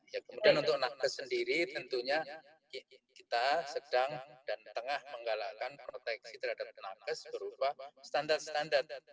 ya kemudian untuk nakes sendiri tentunya kita sedang dan tengah menggalakkan proteksi terhadap tenaga berupa standar standar